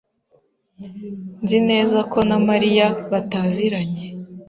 Nzi neza ko na Mariya bataziranye.